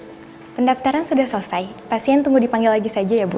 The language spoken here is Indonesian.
pendaftaran sudah selesai pasien tunggu dipanggil lagi saja ya bu